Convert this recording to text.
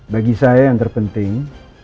bagi saya yang terpenting